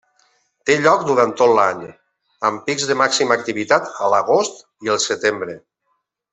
Té lloc durant tot l'any, amb pics de màxima activitat a l'agost i el setembre.